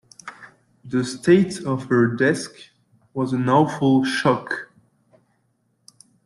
The state of her desk was an awful shock.